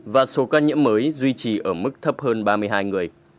và số ca nhiễm mới duy trì ở mức thấp hơn ba mươi hai người